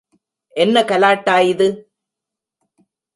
என்ன கலாட்டா இது?